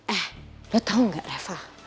eh lo tau gak reva